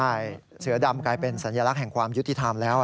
ใช่เสือดำกลายเป็นสัญลักษณ์แห่งความยุติธรรมแล้ว